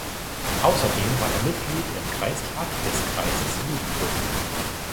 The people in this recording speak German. Außerdem war er Mitglied im Kreistag des Kreises Wiedenbrück.